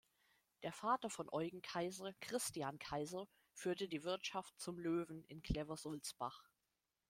Der Vater von Eugen Kaiser, Christian Kaiser, führte die Wirtschaft „Zum Löwen“ in Cleversulzbach.